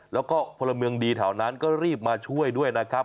แล้วก็พลเมืองดีแถวนั้นก็รีบมาช่วยด้วยนะครับ